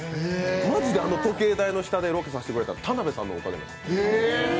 マジであの時計台の下でロケさせてくれたの、田辺さんのおかげなんです。